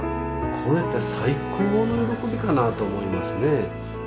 これって最高の喜びかなと思いますね。